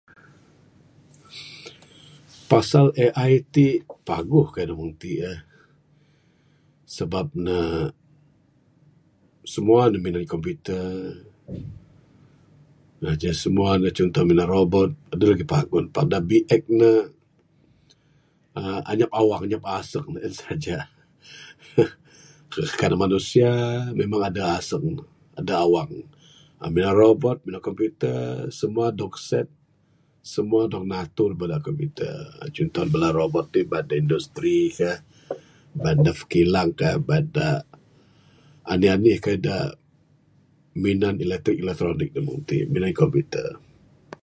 Pasal AI ti, paguh kayuh da meng ti eh, sebab ne... semua ne minan computer, ngajah semua contoh ne adeh da minan robot, adeh lagi paguh ne, pak da biek ne uhh anyap awang anyap aseng ne en saja, hah... kan ne manusia memang adeh aseng ne adeh awang ne, uhh minan robot minan computer semua dog set, semua dog natur bada computer, chunto ne bala robot ti bala da industri sien bait da kilang kah bait da anih anih kayuh da minan electric elektronik da meng ti minan computer.